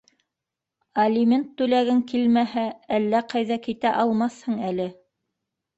Алимент түләгең килмәһә, әллә ҡайҙа китә алмаҫһың әле...